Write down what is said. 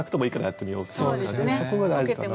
そこが大事かな。